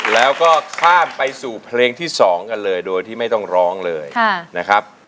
แล้วก็ข้ามไปสู่เพลงที่๒กันเลยโดยที่ไม่ต้องร้องเลยนะครับ